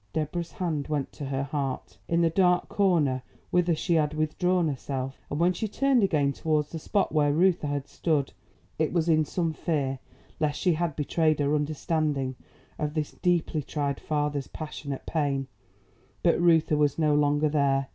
Deborah's hand went to her heart, in the dark corner whither she had withdrawn herself, and when she turned again towards the spot where Reuther had stood, it was in some fear lest she had betrayed her understanding of this deeply tried father's passionate pain. But Reuther was no longer there.